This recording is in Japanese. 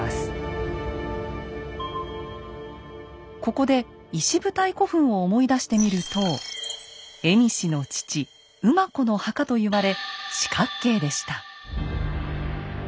ここで石舞台古墳を思い出してみると蝦夷の父・馬子の墓と言われ四角形でした。